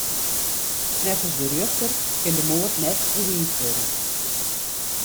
Neffens de rjochter kin de moard net bewiisd wurde.